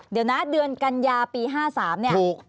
เดี๋ยวนะเดือนกัญญาปี๕๓เนี่ย